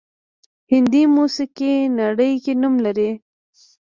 هندي موسیقي نړۍ کې نوم لري